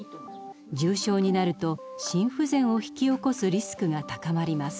重症になると心不全を引き起こすリスクが高まります。